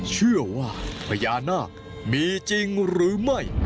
เชื่อว่าพญานาคมีจริงหรือไม่